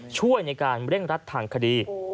ช่วยในการเร่งรัดทางคดี